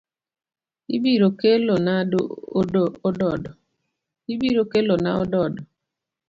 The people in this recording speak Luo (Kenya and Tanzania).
Ibiro Kelona ododo.